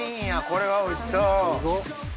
これはおいしそう。